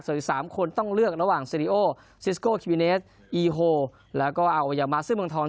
สี่สามคนต้องเลือกระหว่างซีรีโอซิสโกคิวิเนสอีโฮแล้วก็อาวุยามาซึ้งมังทอง